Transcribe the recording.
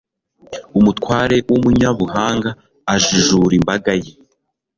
umutware w'umunyabuhanga ajijura imbaga ye